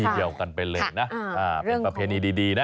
เป็นประเพณีดีนะ